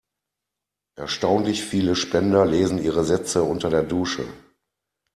Erstaunlich viele Spender lesen ihre Sätze unter der Dusche.